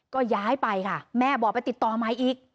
ก็ย้ายไปค่ะแม่บอกไปติดต่อใหม่อีก